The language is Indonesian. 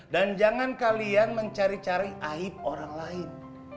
dan jangan kalian mencari cari aib orang lain